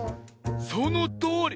そのとおり！